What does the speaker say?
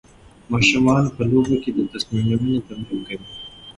ماشومان په لوبو کې د تصمیم نیونې تمرین کوي.